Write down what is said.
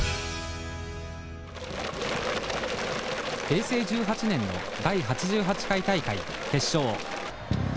平成１８年の第８８回大会決勝。